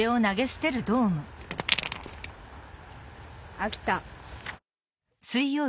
あきた。